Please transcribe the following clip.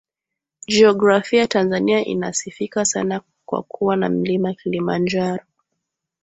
Jiografia Tanzania inasifika sana kwa kuwa na Mlima Kilimanjaro